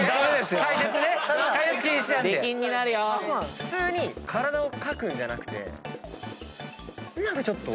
普通に体を描くんじゃなくて何かちょっと。